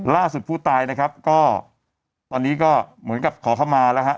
ล่าสุดผู้ตายนะครับก็ตอนนี้ก็เหมือนกับขอเข้ามาแล้วฮะ